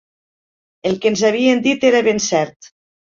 El que ens havien dit era ben cert.